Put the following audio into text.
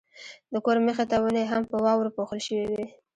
د کور مخې ته ونې هم په واورو پوښل شوې وې.